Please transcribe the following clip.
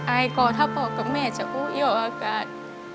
อายก่อนถ้าพ่อกับแม่จะอุ้ยออกอากาศ